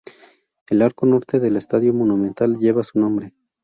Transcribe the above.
El arco norte del Estadio Monumental, lleva su nombre.